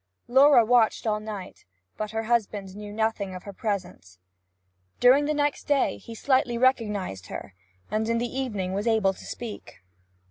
Laura watched all night, but her husband knew nothing of her presence. During the next day he slightly recognized her, and in the evening was able to speak.